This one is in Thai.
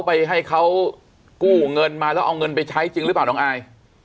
ไปให้เขากู้เงินมาแล้วเอาเงินไปใช้จริงหรือเปล่าน้องอาย